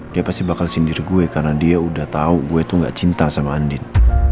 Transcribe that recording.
dia pasti bakal sindir gue karena dia udah tahu gue itu gak cinta sama andin